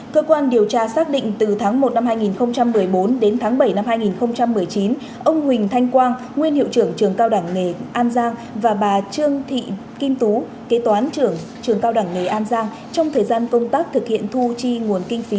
cơ quan điều tra xác định từ tháng một năm hai nghìn một mươi bốn đến tháng bảy năm hai nghìn một mươi chín ông huỳnh thanh quang nguyên hiệu trưởng trường cao đẳng nghề an giang và bà trương thị kim tú kế toán trưởng cao đẳng nghề an giang trong thời gian công tác thực hiện thu chi nguồn kinh phí